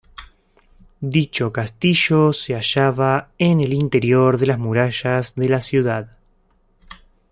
Dicho castillo se hallaba en el interior de las murallas de la ciudad.